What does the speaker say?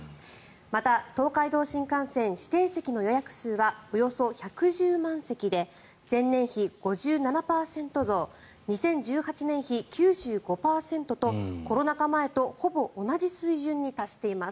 また東海道新幹線指定席の予約数はおよそ１１０万席で前年比５７％増２０１８年比９５％とコロナ禍前とほぼ同じ水準に達しています。